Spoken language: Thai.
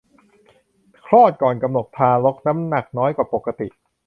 คลอดก่อนกำหนด ทารกน้ำหนักน้อยกว่าปกติ